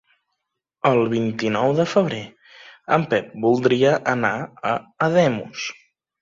El vint-i-nou de febrer en Pep voldria anar a Ademús.